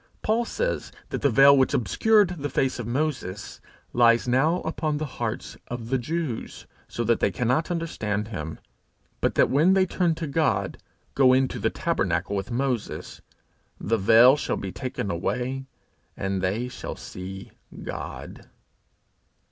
Paul says that the veil which obscured the face of Moses lies now upon the hearts of the Jews, so that they cannot understand him, but that when they turn to the Lord, go into the tabernacle with Moses, the veil shall be taken away, and they shall see God.